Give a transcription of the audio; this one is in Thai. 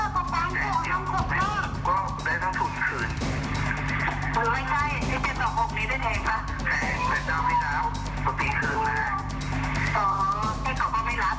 คุณครูซื้อจริงแล้วคุณครูก็จ่ายเงินจริง